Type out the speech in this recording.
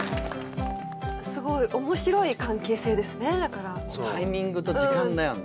すごい面白い関係性ですねだからタイミングと時間だよね